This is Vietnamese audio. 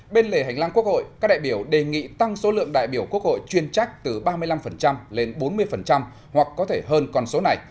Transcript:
bên lề hành lang quốc hội các đại biểu đề nghị tăng số lượng đại biểu quốc hội chuyên trách từ ba mươi năm lên bốn mươi hoặc có thể hơn con số này